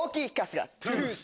トゥース。